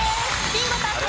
ビンゴ達成。